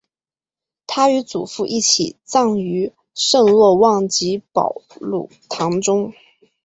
他与祖父一起葬于圣若望及保禄堂中。